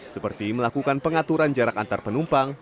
seperti melakukan pengaturan jarak antar penumpang